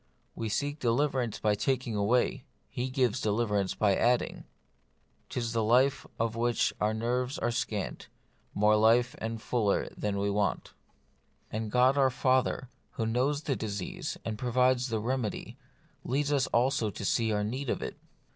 We seek deliverance by taking away ; He gives deliverance by adding ;" 'lis life of which our nerves are scant, More life and fuller that we want j" and God our Father, who knows our disease and provides the remedy, leads us also to see our need of it.